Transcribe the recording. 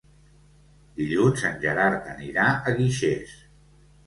Dilluns en Gerard anirà a Guixers.